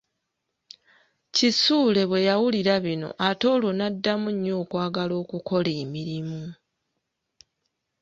Kisuule bwe yawulira bino ate olwo n'addamu nnyo okwagala okukola emirumu.